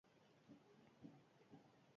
Danimarkan biologia irakasten zuen.